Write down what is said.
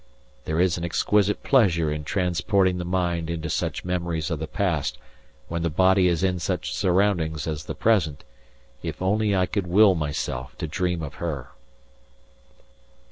There is an exquisite pleasure in transporting the mind into such memories of the past when the body is in such surroundings as the present, if only I could will myself to dream of her!